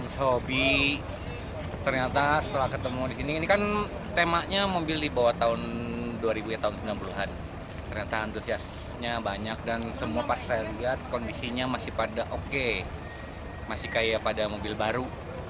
saya lihat kondisinya masih pada oke masih kayak pada mobil baru